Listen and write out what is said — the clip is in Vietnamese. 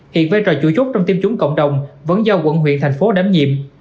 hiện vai trò chủ chốt trong tiêm chủng cộng đồng vẫn do quận huyện thành phố đảm nhiệm